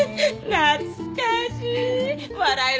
懐かしい。